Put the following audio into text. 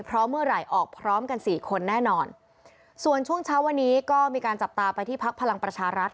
เพราะเมื่อไหร่ออกพร้อมกันสี่คนแน่นอนส่วนช่วงเช้าวันนี้ก็มีการจับตาไปที่พักพลังประชารัฐ